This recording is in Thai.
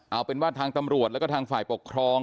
เอาเป็นว่าทางตำรวจแล้วก็ทางฝ่ายปกครอง